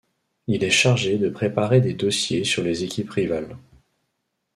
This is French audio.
Il est chargé de préparer des dossiers sur les équipes rivales.